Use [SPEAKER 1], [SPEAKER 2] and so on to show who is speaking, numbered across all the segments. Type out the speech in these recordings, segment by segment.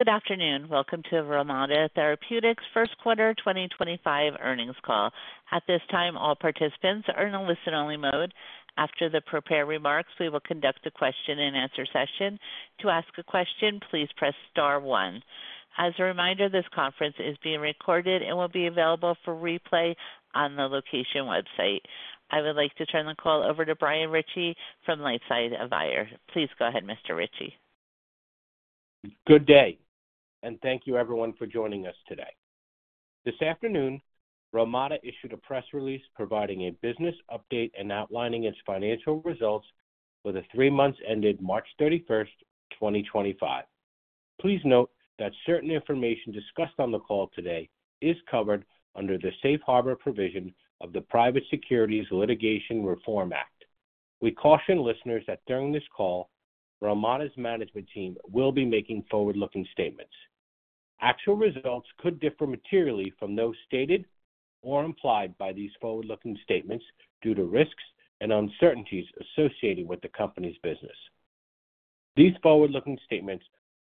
[SPEAKER 1] Good afternoon. Welcome to Relmada Therapeutics' First Quarter 2025 earnings call. At this time, all participants are in a listen-only mode. After the prepared remarks, we will conduct a question-and-answer session. To ask a question, please press star one. As a reminder, this conference is being recorded and will be available for replay on the location website. I would like to turn the call over to Brian Ritchie from LifeSci Advisors. Please go ahead, Mr. Ritchie.
[SPEAKER 2] Good day, and thank you, everyone, for joining us today. This afternoon, Relmada issued a press release providing a business update and outlining its financial results for the three months ending March 31, 2025. Please note that certain information discussed on the call today is covered under the safe harbor provision of the Private Securities Litigation Reform Act. We caution listeners that during this call, Relmada's management team will be making forward-looking statements. Actual results could differ materially from those stated or implied by these forward-looking statements due to risks and uncertainties associated with the company's business. These forward-looking statements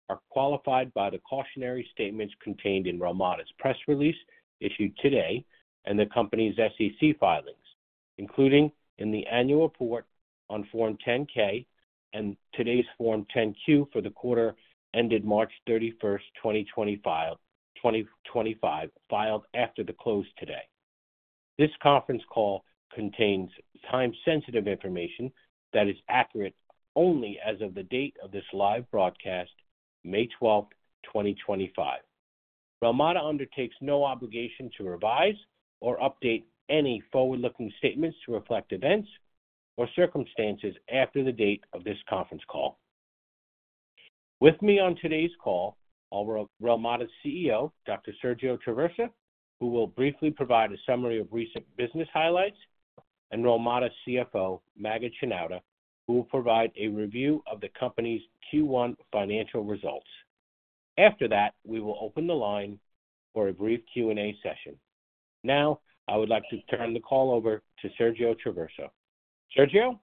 [SPEAKER 2] are qualified by the cautionary statements contained in Relmada's press release issued today and the company's SEC filings, including in the annual report on Form 10-K and today's Form 10-Q for the quarter ended March 31, 2025, filed after the close today. This conference call contains time-sensitive information that is accurate only as of the date of this live broadcast, May 12th, 2025. Relmada undertakes no obligation to revise or update any forward-looking statements to reflect events or circumstances after the date of this conference call. With me on today's call are Relmada's CEO, Dr. Sergio Traversa, who will briefly provide a summary of recent business highlights, and Relmada's CFO, Maged Shenouda, who will provide a review of the company's Q1 financial results. After that, we will open the line for a brief Q&A session. Now, I would like to turn the call over to Sergio Traversa. Sergio?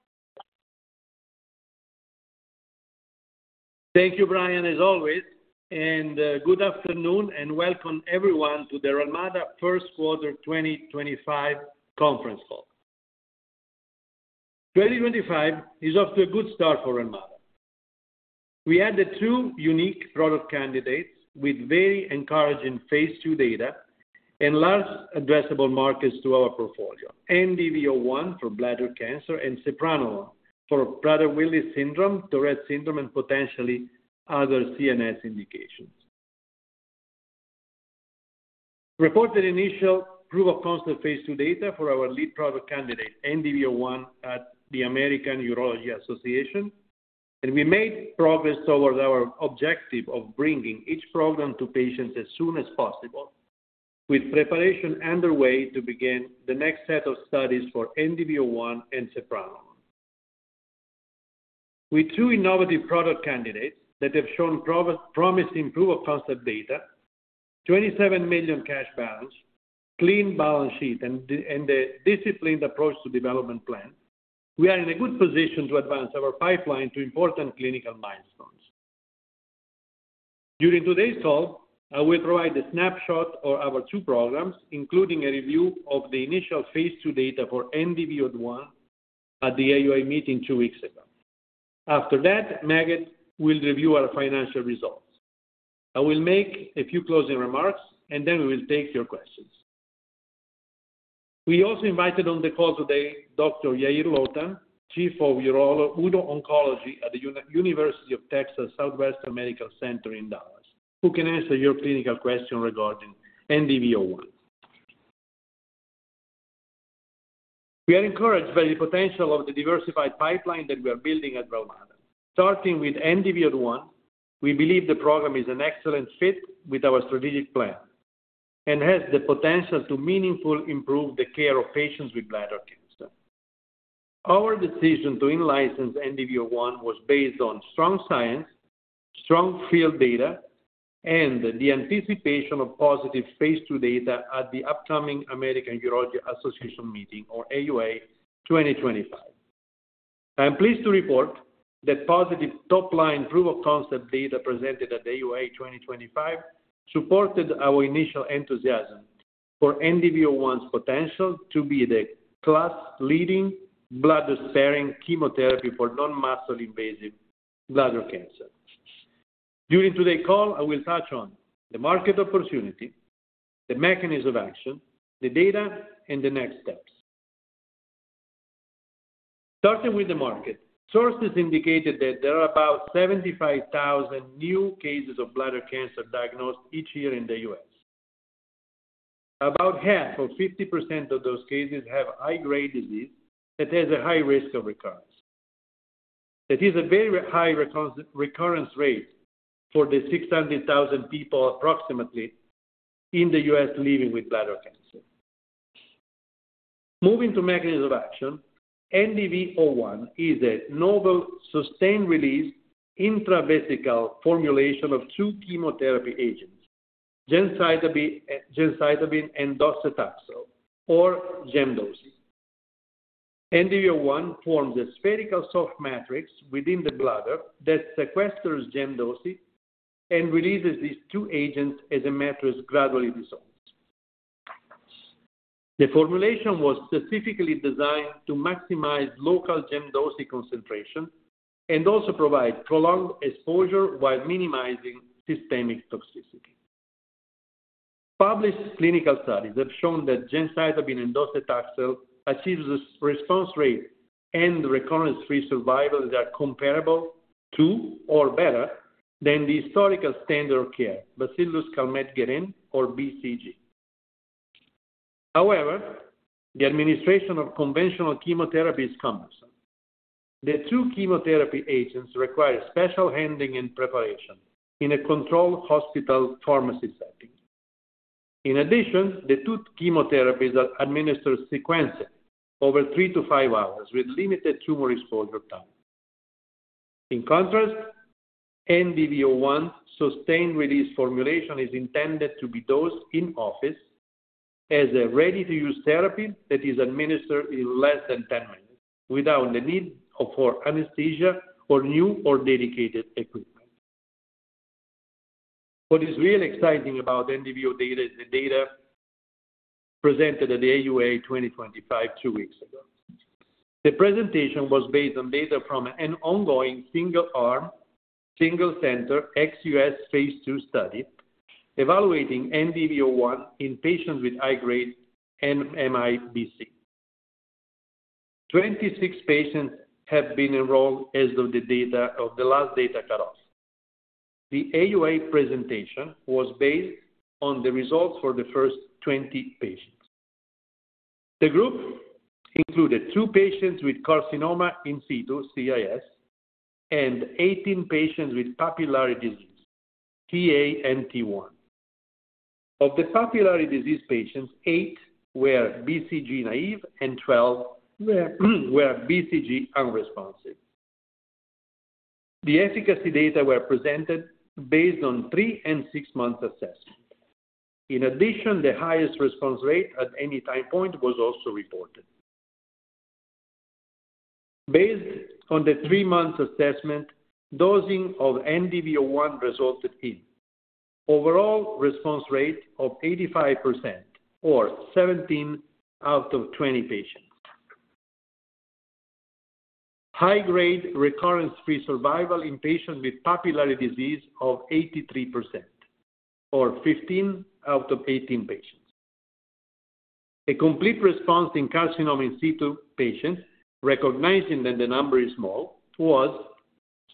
[SPEAKER 3] Thank you, Brian, as always. Good afternoon and welcome, everyone, to the Relmada First Quarter 2025 conference call. 2025 is off to a good start for Relmada. We had the two unique product candidates with very encouraging phase II data and large addressable markets to our portfolio: NDV-01 for bladder cancer and sepranolone for Prader-Willi syndrome, Tourette syndrome, and potentially other CNS indications. Reported initial proof of concept phase II data for our lead product candidate, NDV-01, at the American Urological Association. We made progress towards our objective of bringing each program to patients as soon as possible, with preparation underway to begin the next set of studies for NDV-01 and sepranolone. With two innovative product candidates that have shown promising proof of concept data, $27 million cash balance, clean balance sheet, and a disciplined approach to development plan, we are in a good position to advance our pipeline to important clinical milestones. During today's call, I will provide a snapshot of our two programs, including a review of the initial phase II data for NDV-01 at the AUA meeting two weeks ago. After that, Maged will review our financial results. I will make a few closing remarks, and then we will take your questions. We also invited on the call today Dr. Yair Lotan, Chief of Urology at the University of Texas Southwestern Medical Center in Dallas, who can answer your clinical question regarding NDV-01. We are encouraged by the potential of the diversified pipeline that we are building at Relmada. Starting with NDV-01, we believe the program is an excellent fit with our strategic plan and has the potential to meaningfully improve the care of patients with bladder cancer. Our decision to license NDV-01 was based on strong science, strong field data, and the anticipation of positive phase II data at the upcoming American Urological Association meeting, or AUA 2025. I'm pleased to report that positive top-line proof of concept data presented at AUA 2025 supported our initial enthusiasm for NDV-01's potential to be the class-leading bladder-sparing chemotherapy for non-muscle-invasive bladder cancer. During today's call, I will touch on the market opportunity, the mechanism of action, the data, and the next steps. Starting with the market, sources indicated that there are about 75,000 new cases of bladder cancer diagnosed each year in the U.S. About 1/2, or 50% of those cases, have high-grade disease that has a high risk of recurrence. That is a very high recurrence rate for the 600,000 people approximately in the U.S. living with bladder cancer. Moving to mechanism of action, NDV-01 is a novel sustained-release intravesical formulation of two chemotherapy agents, gemcitabine and docetaxel, or Gem/Doce. NDV-01 forms a spherical soft matrix within the bladder that sequesters Gem/Doce and releases these two agents as the matrix gradually dissolves. The formulation was specifically designed to maximize local gemdosi concentration and also provide prolonged exposure while minimizing systemic toxicity. Published clinical studies have shown that gemcitabine and docetaxel achieve response rate and recurrence-free survival that are comparable to or better than the historical standard of care, Bacillus Calmette-Guérin, or BCG. However, the administration of conventional chemotherapy is cumbersome. The two chemotherapy agents require special handling and preparation in a controlled hospital pharmacy setting. In addition, the two chemotherapies are administered sequentially over three to five hours with limited tumor exposure time. In contrast, NDV-01 sustained-release formulation is intended to be dosed in office as a ready-to-use therapy that is administered in less than 10 minutes without the need for anesthesia or new or dedicated equipment. What is really exciting about NDV-01 data is the data presented at the AUA 2025 two weeks ago. The presentation was based on data from an ongoing single-arm, single-center ex-U.S. phase II study evaluating NDV-01 in patients with high-grade NMIBC. Twenty-six patients have been enrolled as of the date of the last data cutoff. The AUA presentation was based on the results for the first 20 patients. The group included two patients with carcinoma in situ, CIS, and 18 patients with papillary disease, Ta and T1. Of the papillary disease patients, eight were BCG naive, and 12 were BCG unresponsive. The efficacy data were presented based on three and six-month assessments. In addition, the highest response rate at any time point was also reported. Based on the three-month assessment, dosing of NDV-01 resulted in overall response rate of 85%, or 17 out of 20 patients. High-grade recurrence-free survival in patients with papillary disease of 83%, or 15 out of 18 patients. A complete response in carcinoma in situ patients, recognizing that the number is small, was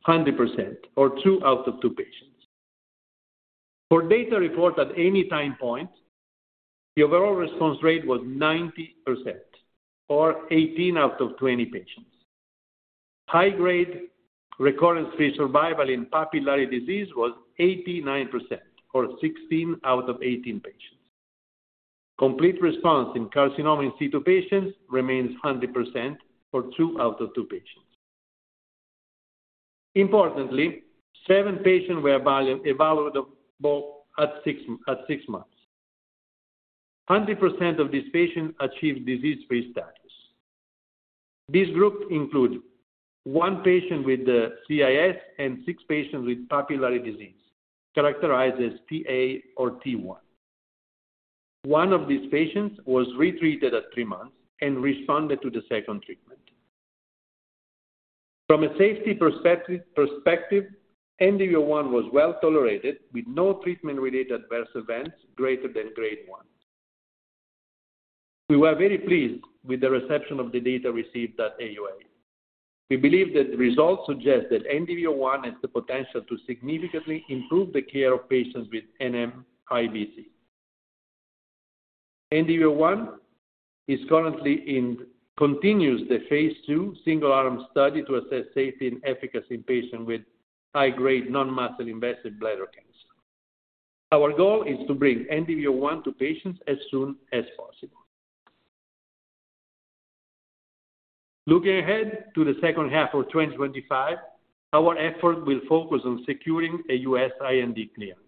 [SPEAKER 3] 100%, or 2 out of 2 patients. For data report at any time point, the overall response rate was 90%, or 18 out of 20 patients. High-grade recurrence-free survival in papillary disease was 89%, or 16 out of 18 patients. Complete response in carcinoma in situ patients remains 100%, or 2 out of 2 patients. Importantly, seven patients were evaluable at six months. 100% of these patients achieved disease-free status. This group includes one patient with CIS and six patients with papillary disease, characterized as Ta or T1. One of these patients was retreated at three months and responded to the second treatment. From a safety perspective, NDV-01 was well tolerated with no treatment-related adverse events greater than grade 1. We were very pleased with the reception of the data received at AUA. We believe that the results suggest that NDV-01 has the potential to significantly improve the care of patients with NMIBC. NDV-01 is currently in phase two single-arm study to assess safety and efficacy in patients with high-grade non-muscle-invasive bladder cancer. Our goal is to bring NDV-01 to patients as soon as possible. Looking ahead to the second half of 2025, our effort will focus on securing a U.S. IND clearance.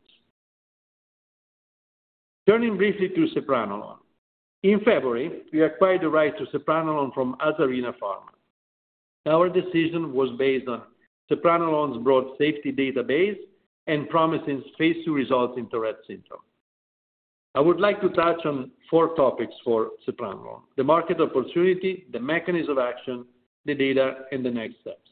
[SPEAKER 3] Turning briefly to sepranolone. In February, we acquired the right to sepranolone from Asarina Pharma. Our decision was based on sepranolone's broad safety database and promising phase II results in Tourette syndrome. I would like to touch on four topics for sepranolone: the market opportunity, the mechanism of action, the data, and the next steps.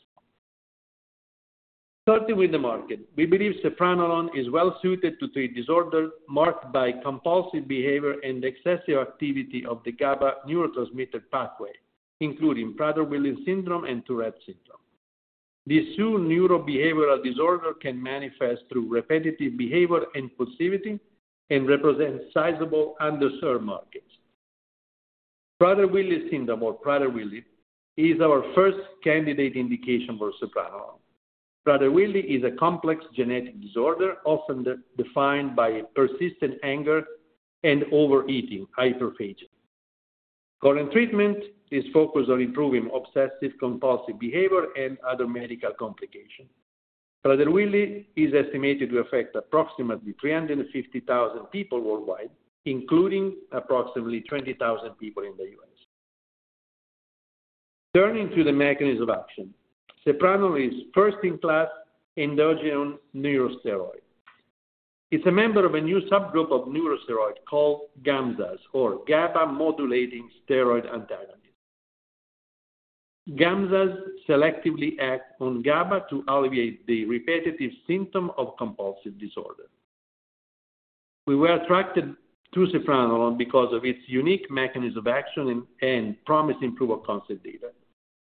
[SPEAKER 3] Starting with the market, we believe sepranolone is well-suited to treat disorders marked by compulsive behavior and excessive activity of the GABA neurotransmitter pathway, including Prader-Willi syndrome and Tourette syndrome. These two neurobehavioral disorders can manifest through repetitive behavior and impulsivity and represent sizable underserved markets. Prader-Willi syndrome, or Prader-Willi, is our first candidate indication for sepranolone. Prader-Willi is a complex genetic disorder often defined by persistent anger and overeating hyperphagia. Current treatment is focused on improving obsessive-compulsive behavior and other medical complications. Prader-Willi is estimated to affect approximately 350,000 people worldwide, including approximately 20,000 people in the U.S. Turning to the mechanism of action, sepranolone is first-in-class endogenous neurosteroid. It's a member of a new subgroup of neurosteroids called GAMSAs, or GABA-modulating steroid antagonists. GAMSAs selectively act on GABA to alleviate the repetitive symptom of compulsive disorder. We were attracted to sepranolone because of its unique mechanism of action and promising proof of concept data.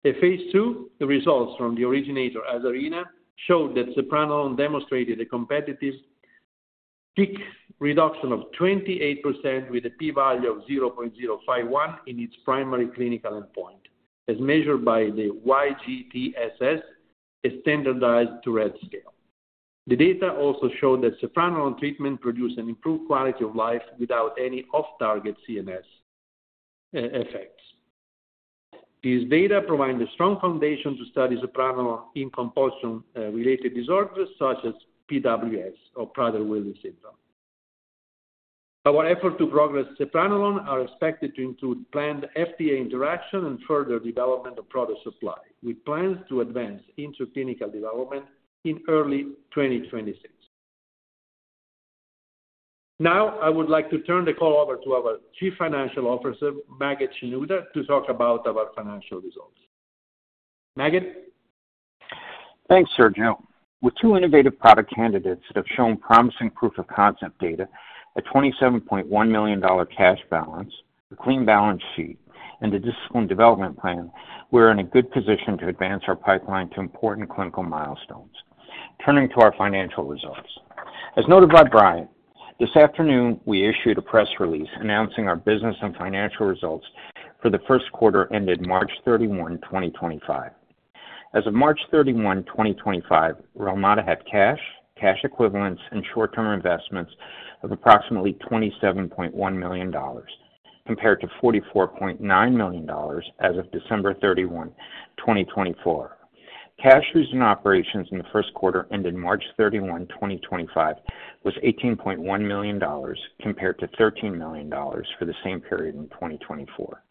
[SPEAKER 3] The phase II results from the originator Asarina showed that sepranolone demonstrated a competitive peak reduction of 28% with a p-value of 0.051 in its primary clinical endpoint, as measured by the YGTSS, a standardized Tourette scale. The data also showed that sepranolone treatment produced an improved quality of life without any off-target CNS effects. These data provide a strong foundation to study sepranolone in compulsion-related disorders such as PWS, or Prader-Willi syndrome. Our efforts to progress sepranolone are expected to include planned FDA interaction and further development of product supply, with plans to advance into clinical development in early 2026. Now, I would like to turn the call over to our Chief Financial Officer, Maged Shenouda, to talk about our financial results. Maged?
[SPEAKER 4] Thanks, Sergio. With two innovative product candidates that have shown promising proof of concept data, a $27.1 million cash balance, a clean balance sheet, and a disciplined development plan, we're in a good position to advance our pipeline to important clinical milestones. Turning to our financial results. As noted by Brian, this afternoon, we issued a press release announcing our business and financial results for the first quarter ended March 31, 2025. As of March 31, 2025, Relmada had cash, cash equivalents, and short-term investments of approximately $27.1 million, compared to $44.9 million as of December 31, 2024. Cash used in operations in the first quarter ended March 31, 2025, was $18.1 million, compared to $13 million for the same period in 2024.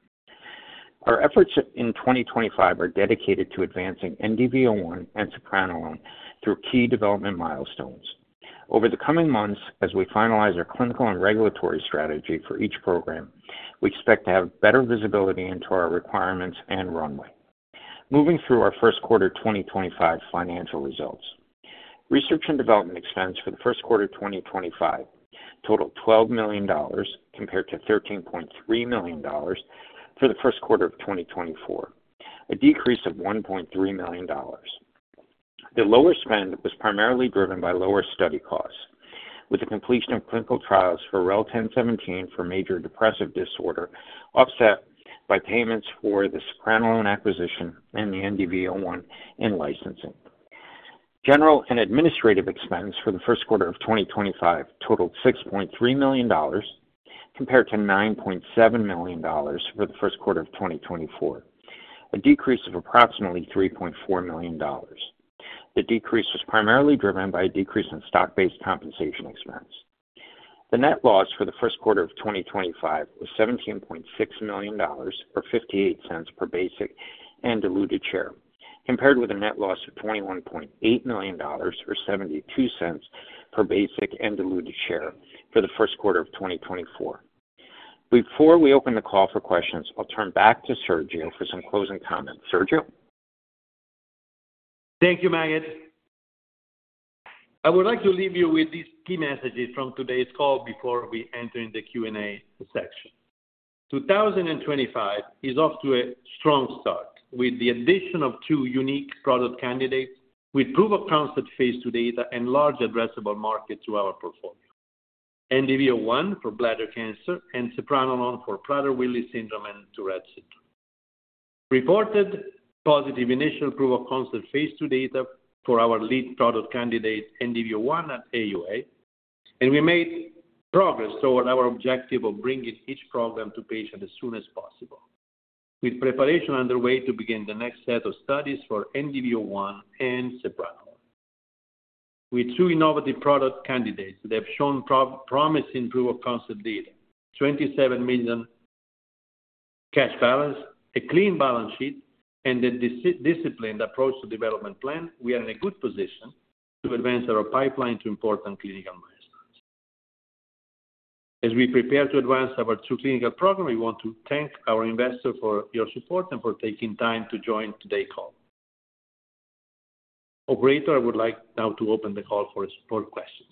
[SPEAKER 4] Our efforts in 2025 are dedicated to advancing NDV-01 and sepranolone through key development milestones. Over the coming months, as we finalize our clinical and regulatory strategy for each program, we expect to have better visibility into our requirements and runway. Moving through our first quarter 2025 financial results, research and development expense for the first quarter 2025 totaled $12 million, compared to $13.3 million for the first quarter of 2024, a decrease of $1.3 million. The lower spend was primarily driven by lower study costs, with the completion of clinical trials for REL-1017 for major depressive disorder offset by payments for the sepranolone acquisition and the NDV-01 in licensing. General and administrative expense for the first quarter of 2025 totaled $6.3 million, compared to $9.7 million for the first quarter of 2024, a decrease of approximately $3.4 million. The decrease was primarily driven by a decrease in stock-based compensation expense. The net loss for the first quarter of 2025 was $17.6 million, or $0.58 per basic and diluted share, compared with a net loss of $21.8 million, or $0.72 per basic and diluted share for the first quarter of 2024. Before we open the call for questions, I'll turn back to Sergio for some closing comments. Sergio?
[SPEAKER 3] Thank you, Maged. I would like to leave you with these key messages from today's call before we enter in the Q&A section. 2025 is off to a strong start with the addition of two unique product candidates with proof of concept phase II data and large addressable markets to our portfolio: NDV-01 for bladder cancer and sepranolone for Prader-Willi syndrome and Tourette syndrome. Reported positive initial proof of concept phase II data for our lead product candidate, NDV-01, at AUA, and we made progress toward our objective of bringing each program to patients as soon as possible, with preparation underway to begin the next set of studies for NDV-01 and sepranolone. With two innovative product candidates that have shown promising proof of concept data, $27 million cash balance, a clean balance sheet, and a disciplined approach to development plan, we are in a good position to advance our pipeline to important clinical milestones. As we prepare to advance our two clinical programs, we want to thank our investors for your support and for taking time to join today's call. Operator, I would like now to open the call for questions.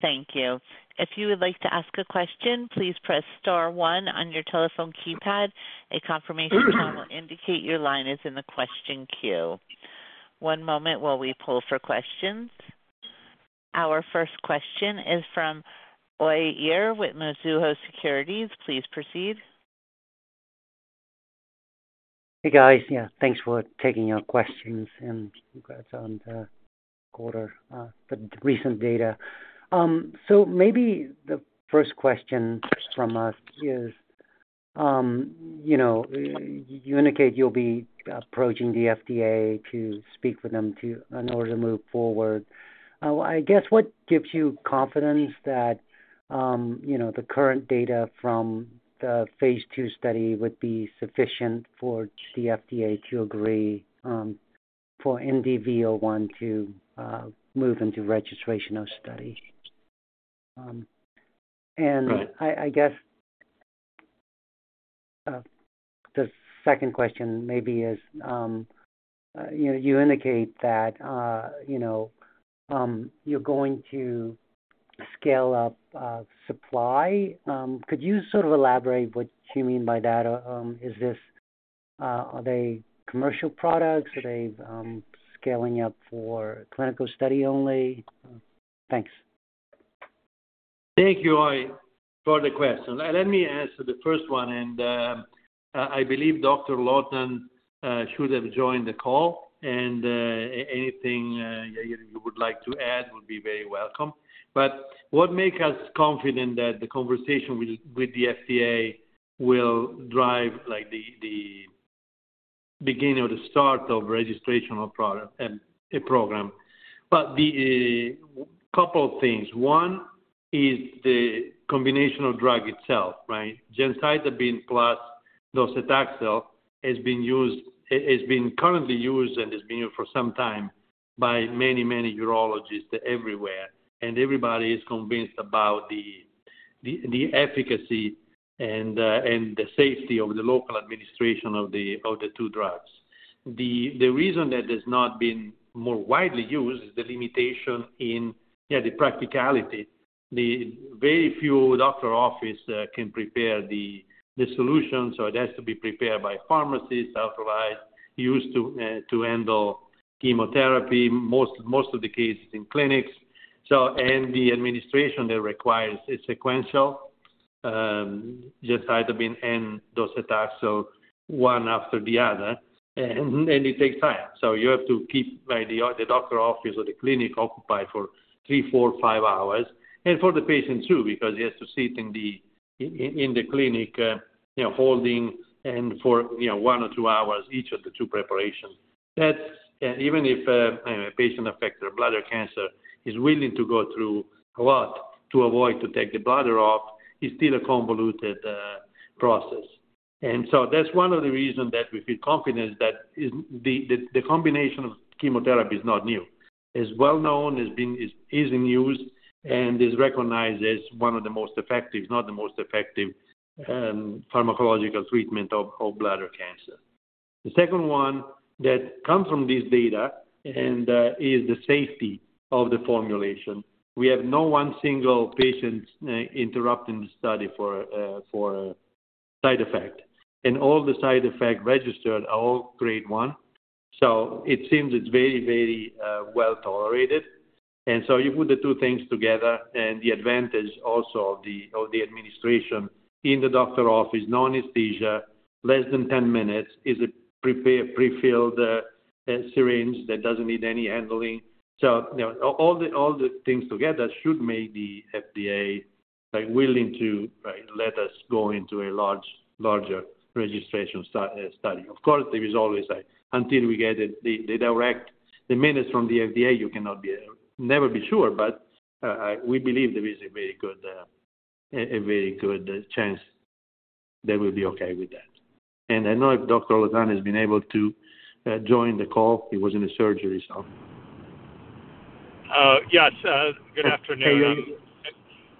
[SPEAKER 1] Thank you. If you would like to ask a question, please press star one on your telephone keypad. A confirmation sign will indicate your line is in the question queue. One moment while we pull for questions. Our first question is from Uy Ear with Mizuho Securities. Please proceed.
[SPEAKER 5] Hey, guys. Yeah, thanks for taking your questions and congrats on the quarter, the recent data. Maybe the first question from us is, you indicate you'll be approaching the FDA to speak with them in order to move forward. I guess, what gives you confidence that the current data from the phase II study would be sufficient for the FDA to agree for NDV-01 to move into registration studies? I guess the second question maybe is, you indicate that you're going to scale up supply. Could you sort of elaborate what you mean by that? Are they commercial products? Are they scaling up for clinical study only? Thanks.
[SPEAKER 3] Thank you, Uy, for the question. Let me answer the first one. I believe Dr. Lotan should have joined the call. Anything you would like to add would be very welcome. What makes us confident that the conversation with the FDA will drive the beginning or the start of registration of a program? A couple of things. One is the combination of drug itself, right? Gemcitabine plus docetaxel has been currently used and has been used for some time by many, many urologists everywhere. Everybody is convinced about the efficacy and the safety of the local administration of the two drugs. The reason that it has not been more widely used is the limitation in, yeah, the practicality. Very few doctor's offices can prepare the solutions. It has to be prepared by pharmacists who are authorized, used to handle chemotherapy, most of the cases in clinics. The administration that requires is sequential, gemcitabine and docetaxel, one after the other. It takes time. You have to keep the doctor's office or the clinic occupied for three, four, five hours. For the patient too, because he has to sit in the clinic holding for one or two hours each of the two preparations. Even if a patient affected by bladder cancer is willing to go through a lot to avoid taking the bladder off, it's still a convoluted process. That's one of the reasons that we feel confident that the combination of chemotherapy is not new. It's well known, is in use, and is recognized as one of the most effective, if not the most effective, pharmacological treatments of bladder cancer. The second one that comes from this data is the safety of the formulation. We have no one single patient interrupting the study for side effect. All the side effects registered are all grade one. It seems it's very, very well tolerated. You put the two things together, and the advantage also of the administration in the doctor's office, no anesthesia, less than 10 minutes, is a prefilled syringe that doesn't need any handling. All the things together should make the FDA willing to let us go into a larger registration study. Of course, until we get the direct minutes from the FDA, you can never be sure. We believe there is a very good chance that we'll be okay with that. I don't know if Dr. Lotan has been able to join the call. He was in the surgery, so.
[SPEAKER 6] Yes. Good afternoon.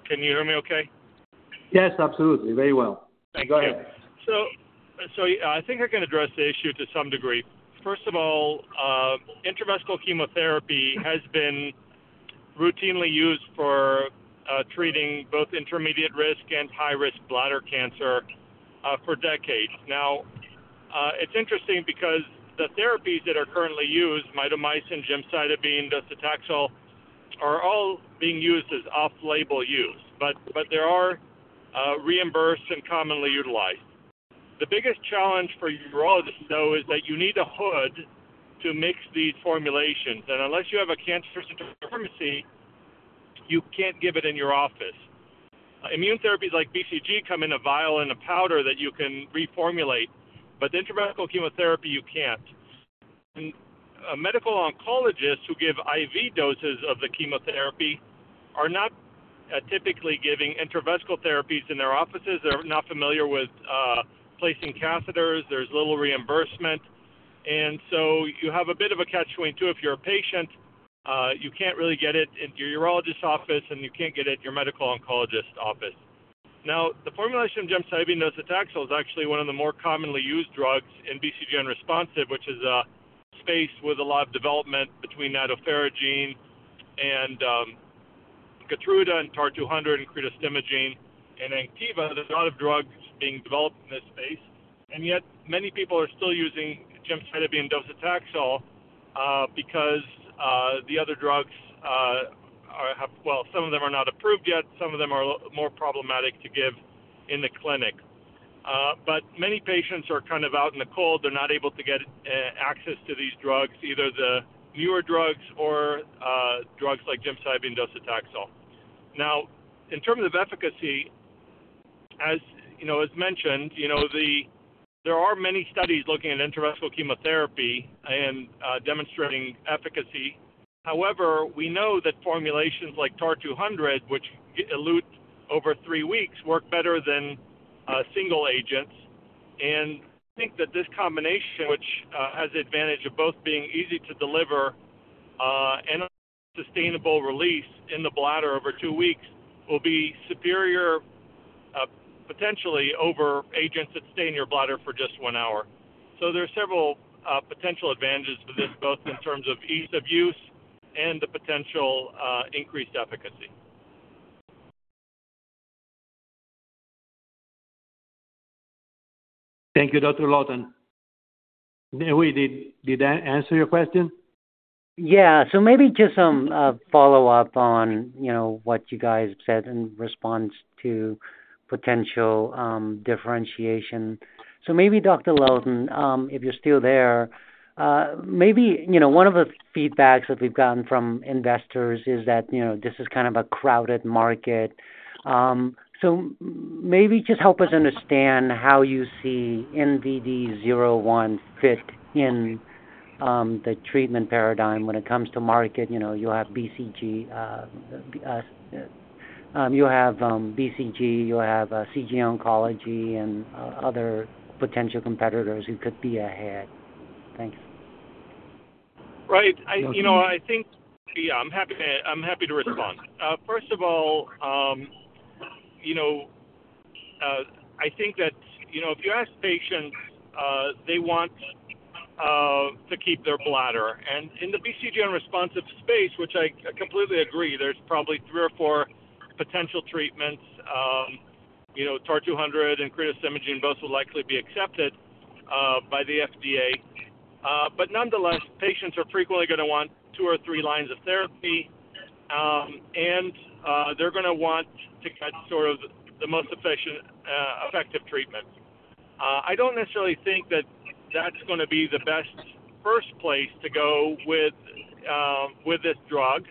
[SPEAKER 6] Can you hear me okay?
[SPEAKER 3] Yes, absolutely. Very well. Go ahead.
[SPEAKER 6] I think I can address the issue to some degree. First of all, intravesical chemotherapy has been routinely used for treating both intermediate risk and high-risk bladder cancer for decades. Now, it's interesting because the therapies that are currently used, mitomycin, gemcitabine, docetaxel, are all being used as off-label use. They are reimbursed and commonly utilized. The biggest challenge for urologists, though, is that you need a hood to mix these formulations. Unless you have a cancer center pharmacy, you can't give it in your office. Immune therapies like BCG come in a vial and a powder that you can reformulate. Intravesical chemotherapy, you can't. Medical oncologists who give IV doses of the chemotherapy are not typically giving intravesical therapies in their offices. They're not familiar with placing catheters. There's little reimbursement. You have a bit of a catch 22. If you're a patient, you can't really get it at your urologist's office, and you can't get it at your medical oncologist's office. Now, the formulation of gemcitabine and docetaxel is actually one of the more commonly used drugs in BCG-unresponsive, which is a space with a lot of development between nadofaragene and Keytruda and TAR-200 and cretostimogene and Anktiva. There's a lot of drugs being developed in this space. Yet, many people are still using gemcitabine and docetaxel because the other drugs have—well, some of them are not approved yet. Some of them are more problematic to give in the clinic. Many patients are kind of out in the cold. They're not able to get access to these drugs, either the newer drugs or drugs like gemcitabine and docetaxel. Now, in terms of efficacy, as mentioned, there are many studies looking at intramuscular chemotherapy and demonstrating efficacy. However, we know that formulations like TAR-200, which elute over three weeks, work better than single agents. I think that this combination, which has the advantage of both being easy to deliver and a sustainable release in the bladder over two weeks, will be superior, potentially, over agents that stay in your bladder for just one hour. There are several potential advantages for this, both in terms of ease of use and the potential increased efficacy.
[SPEAKER 3] Thank you, Dr. Lotan. Did I answer your question?
[SPEAKER 5] Yeah. Maybe just some follow-up on what you guys said in response to potential differentiation. Maybe, Dr. Lotan, if you're still there, one of the feedbacks that we've gotten from investors is that this is kind of a crowded market. Maybe just help us understand how you see NDV-01 fit in the treatment paradigm when it comes to market. You have BCG. You have CG Oncology and other potential competitors who could be ahead. Thanks.
[SPEAKER 6] Right. I think, yeah, I'm happy to respond. First of all, I think that if you ask patients, they want to keep their bladder. In the BCG unresponsive space, which I completely agree, there's probably three or four potential treatments. TAR-200 and cretostimogene both will likely be accepted by the FDA. Nonetheless, patients are frequently going to want two or three lines of therapy. They're going to want to get sort of the most effective treatment. I don't necessarily think that that's going to be the best first place to go with this drug,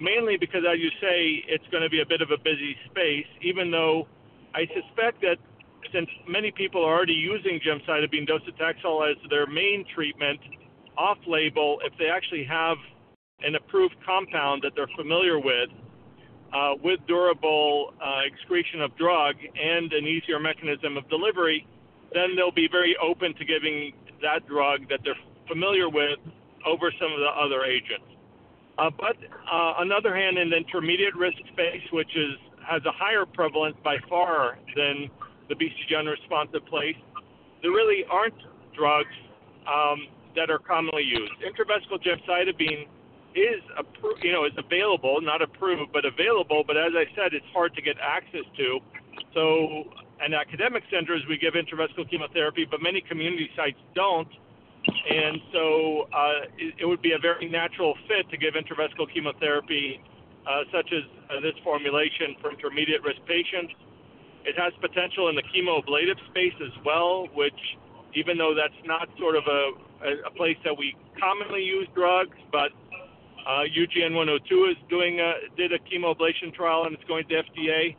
[SPEAKER 6] mainly because, as you say, it's going to be a bit of a busy space, even though I suspect that since many people are already using gemcitabine and docetaxel as their main treatment off-label, if they actually have an approved compound that they're familiar with, with durable excretion of drug and an easier mechanism of delivery, then they'll be very open to giving that drug that they're familiar with over some of the other agents. On the other hand, in the intermediate risk space, which has a higher prevalence by far than the BCG unresponsive place, there really aren't drugs that are commonly used. Intravesical gemcitabine is available, not approved, but available. As I said, it's hard to get access to. An academic center is—we give intravesical chemotherapy, but many community sites do not. It would be a very natural fit to give intravesical chemotherapy, such as this formulation, for intermediate risk patients. It has potential in the chemo-ablative space as well, which, even though that is not sort of a place that we commonly use drugs, but UGN-102 did a chemoablation trial and it is going to FDA.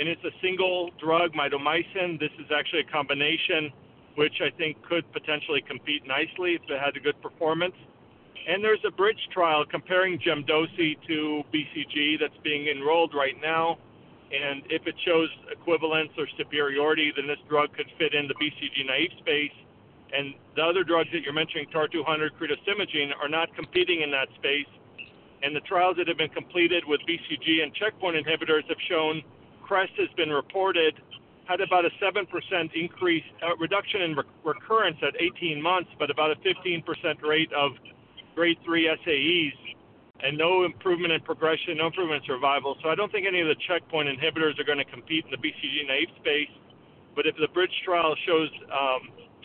[SPEAKER 6] It is a single drug, mitomycin. This is actually a combination, which I think could potentially compete nicely if it had a good performance. There is a bridge trial comparing gemcitabine-docetaxel to BCG that is being enrolled right now. If it shows equivalence or superiority, then this drug could fit in the BCG naive space. The other drugs that you are mentioning, TAR-200, cretostimogene, are not competing in that space. The trials that have been completed with BCG and checkpoint inhibitors have shown CREST has been reported, had about a 7% reduction in recurrence at 18 months, but about a 15% rate of grade 3 SAEs, and no improvement in progression, no improvement in survival. I do not think any of the checkpoint inhibitors are going to compete in the BCG naive space. If the bridge trial shows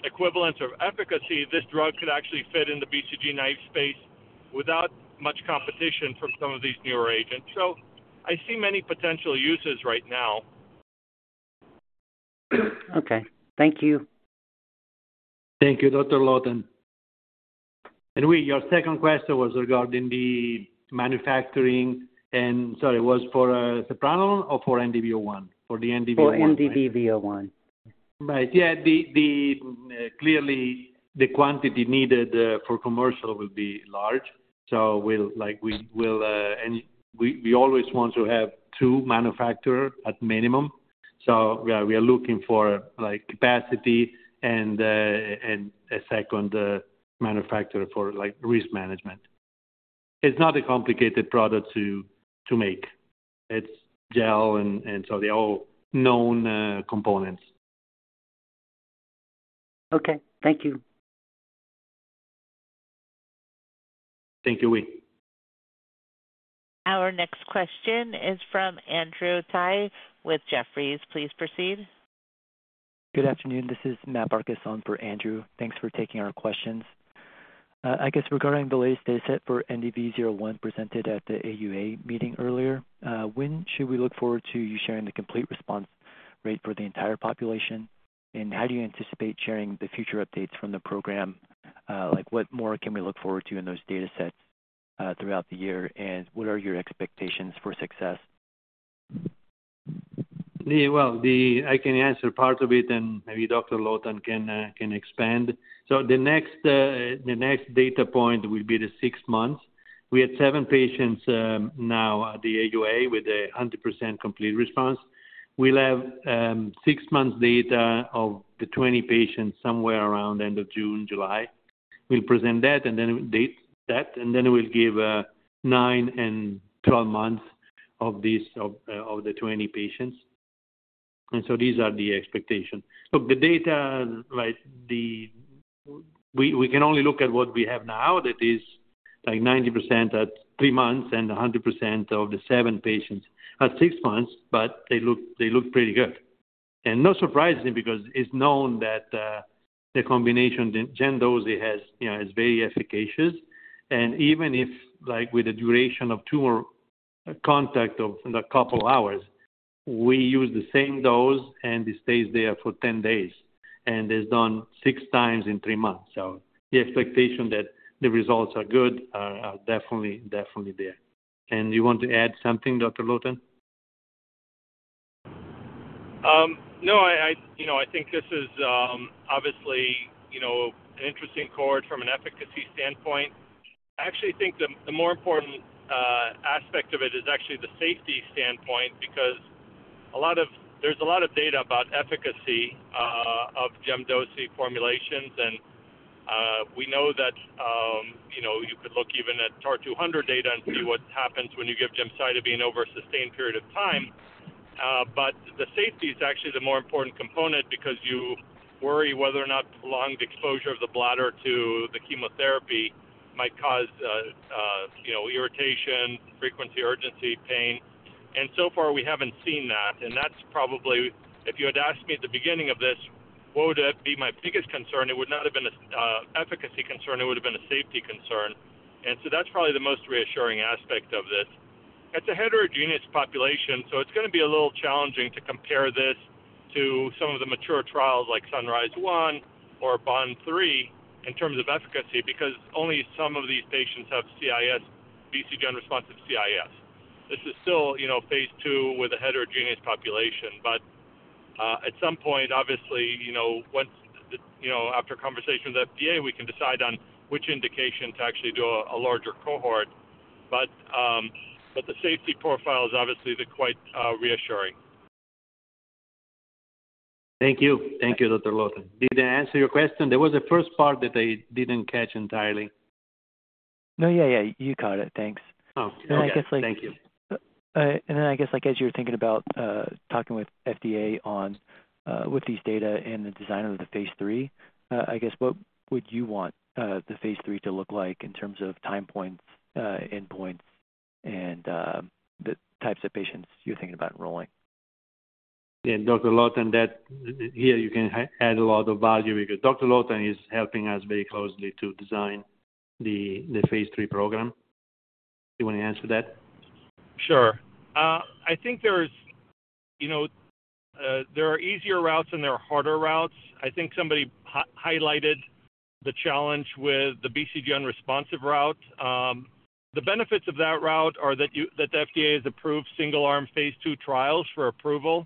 [SPEAKER 6] equivalence or efficacy, this drug could actually fit in the BCG naive space without much competition from some of these newer agents. I see many potential uses right now.
[SPEAKER 5] Okay. Thank you.
[SPEAKER 3] Thank you, Dr. Lotan. Your second question was regarding the manufacturing. Sorry, was for sepranolone or for NDV-01? For the NDV-01.
[SPEAKER 5] For NDV-01.
[SPEAKER 3] Right. Clearly, the quantity needed for commercial will be large. We always want to have two manufacturers at minimum. We are looking for capacity and a second manufacturer for risk management. It's not a complicated product to make. It's gel, and so they're all known components.
[SPEAKER 5] Okay. Thank you.
[SPEAKER 3] Thank you, Oye.
[SPEAKER 1] Our next question is from Andrew Tsai with Jefferies. Please proceed.
[SPEAKER 7] Good afternoon. This is Matt Barcus on for Andrew. Thanks for taking our questions. I guess regarding the latest data set for NDV-01 presented at the AUA meeting earlier, when should we look forward to you sharing the complete response rate for the entire population? How do you anticipate sharing the future updates from the program? What more can we look forward to in those data sets throughout the year? What are your expectations for success?
[SPEAKER 3] I can answer part of it, and maybe Dr. Lotan can expand. The next data point will be the six months. We had seven patients now at the AUA with a 100% complete response. We'll have six months' data of the 20 patients somewhere around the end of June, July. We'll present that, and then we'll give nine and 12 months of the 20 patients. These are the expectations. Look, the data, we can only look at what we have now. That is 90% at three months and 100% of the seven patients at six months, but they look pretty good. No surprising because it's known that the combination Gem/Doce is very efficacious. Even with a duration of tumor contact of a couple of hours, we use the same dose, and it stays there for 10 days. It's done six times in three months. The expectation that the results are good are definitely there. You want to add something, Dr. Lotan?
[SPEAKER 6] No. I think this is obviously an interesting chord from an efficacy standpoint. I actually think the more important aspect of it is actually the safety standpoint because there's a lot of data about efficacy of Gem/Doce formulations. You could look even at TAR-200 data and see what happens when you give gemcitabine over a sustained period of time. The safety is actually the more important component because you worry whether or not prolonged exposure of the bladder to the chemotherapy might cause irritation, frequency, urgency, pain. So far, we haven't seen that. That's probably, if you had asked me at the beginning of this, what would be my biggest concern, it would not have been an efficacy concern. It would have been a safety concern. That's probably the most reassuring aspect of this. It's a heterogeneous population, so it's going to be a little challenging to compare this to some of the mature trials like SunRISe-1 or BOND 003 in terms of efficacy because only some of these patients have BCG unresponsive CIS. This is still phase two with a heterogeneous population. At some point, obviously, after conversation with the FDA, we can decide on which indication to actually do a larger cohort. The safety profile is obviously quite reassuring.
[SPEAKER 3] Thank you. Thank you, Dr. Lotan. Did I answer your question? There was a first part that I didn't catch entirely.
[SPEAKER 7] No, yeah, yeah. You caught it. Thanks. I guess.
[SPEAKER 3] Thank you.
[SPEAKER 7] I guess, as you were thinking about talking with FDA with these data and the design of the phase three, I guess, what would you want the phase three to look like in terms of time points, endpoints, and the types of patients you're thinking about enrolling?
[SPEAKER 3] Yeah. Dr. Lotan, here, you can add a lot of value because Dr. Lotan is helping us very closely to design the phase three program. Do you want to answer that?
[SPEAKER 6] Sure. I think there are easier routes and there are harder routes. I think somebody highlighted the challenge with the BCG unresponsive route. The benefits of that route are that the FDA has approved single-arm phase two trials for approval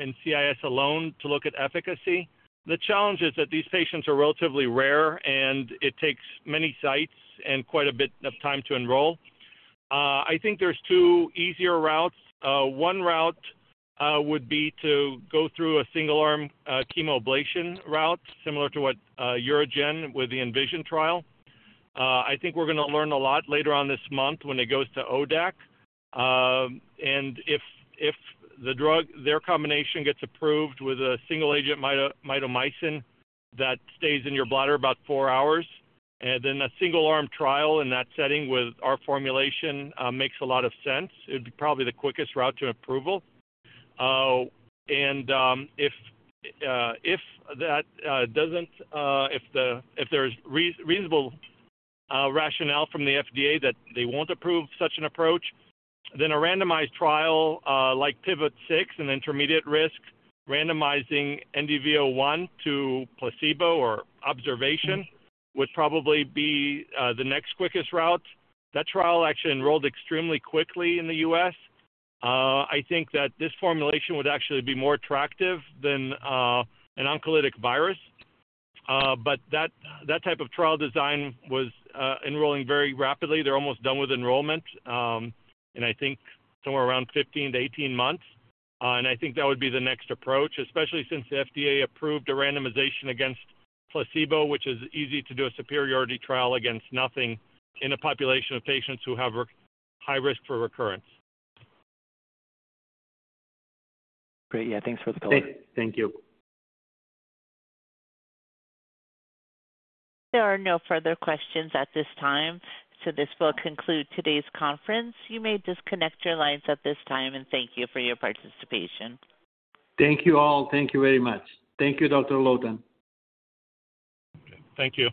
[SPEAKER 6] in CIS alone to look at efficacy. The challenge is that these patients are relatively rare, and it takes many sites and quite a bit of time to enroll. I think there's two easier routes. One route would be to go through a single-arm chemoablation route, similar to what UroGen with the ENVISION trial. I think we're going to learn a lot later on this month when it goes to ODAC. If their combination gets approved with a single agent mitomycin that stays in your bladder about four hours, then a single-arm trial in that setting with our formulation makes a lot of sense. It would be probably the quickest route to approval. If that doesn't, if there's reasonable rationale from the FDA that they won't approve such an approach, then a randomized trial like PIVOT-006, an intermediate risk, randomizing NDV-01 to placebo or observation would probably be the next quickest route. That trial actually enrolled extremely quickly in the U.S. I think that this formulation would actually be more attractive than an oncolytic virus. That type of trial design was enrolling very rapidly. They're almost done with enrollment, and I think somewhere around 15-18 months. I think that would be the next approach, especially since the FDA approved a randomization against placebo, which is easy to do, a superiority trial against nothing in a population of patients who have high risk for recurrence.
[SPEAKER 7] Great. Yeah. Thanks for the call.
[SPEAKER 3] Thank you.
[SPEAKER 1] There are no further questions at this time. This will conclude today's conference. You may disconnect your lines at this time, and thank you for your participation.
[SPEAKER 3] Thank you all. Thank you very much. Thank you, Dr. Lotan.
[SPEAKER 6] Thank you.